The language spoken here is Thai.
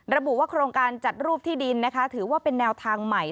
ระบุว่าโครงการจัดรูปที่ดินนะคะถือว่าเป็นแนวทางใหม่